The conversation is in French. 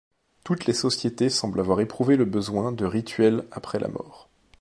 Toutes les sociétés semblent avoir éprouvé le besoin de rituels après la mort.